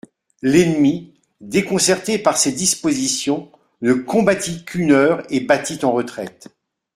L'ennemi, déconcerté par ces dispositions, ne combattit qu'une heure et battit en retraite.